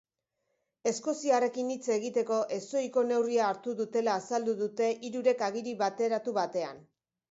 Eskoziarrekin hitz egiteko ezohiko neurria hartu dutela azaldu dute hirurek agiri bateratu batean.